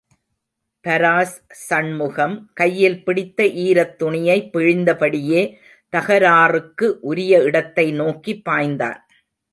பராஸ் சண்முகம், கையில் பிடித்த ஈரத் துணியை பிழிந்தபடியே, தகராறுக்கு உரிய இடத்தை நோக்கி பாய்ந்தான்.